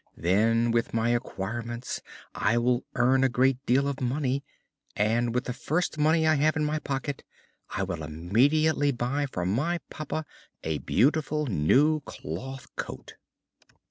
Then, with my acquirements, I will earn a great deal of money, and with the first money I have in my pocket I will immediately buy for my papa a beautiful new cloth coat.